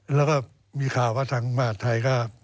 แล้วก็มีข่าวว่าทางมหาดไทยก็